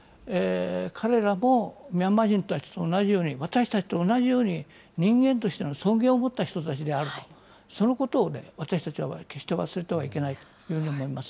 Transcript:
彼らもミャンマー人たちと同じように、私たちと同じように、人間としての尊厳を持った人たちであると、そのことをね、私たちは決して忘れてはいけないというふうに思います。